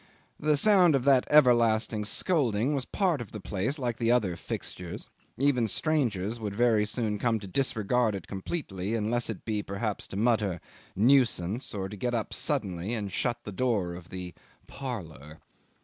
The sound of that everlasting scolding was part of the place like the other fixtures; even strangers would very soon come to disregard it completely unless it be perhaps to mutter "Nuisance," or to get up suddenly and shut the door of the "parlour."